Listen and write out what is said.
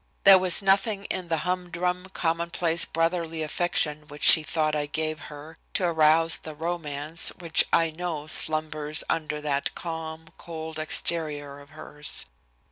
There was nothing in the humdrum, commonplace brotherly affection which she thought I gave her to arouse the romance which I know slumbers under that calm, cold exterior of hers.